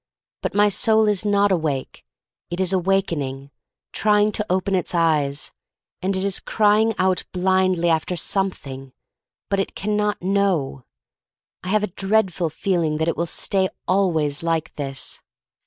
But my soul is not awake. It is awakening, trying to open its eyes; and it is crying out blindly after something, but it can not know. I have a dreadful feeling that it will stay always like this.